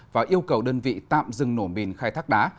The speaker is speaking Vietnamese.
và yêu cầu đơn vị tạm dừng nổ mìn khai thác đá